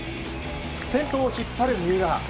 先頭を引っ張る三浦。